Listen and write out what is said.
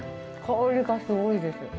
香りがすごいです。